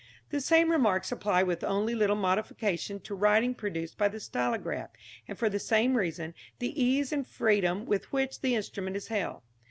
The same remarks apply with only little modification to writing produced by the stylograph, and for the same reason the ease and freedom with which the instrument is held.